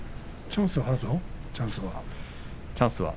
チャンスはあるぞチャンスは。